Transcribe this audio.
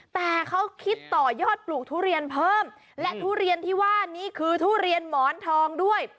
แต่เขาคิดต่อยอดปลูกทุเรียนเพิ่มและทุเรียนที่ว่านี้คือทุเรียนหมอนทองด้วย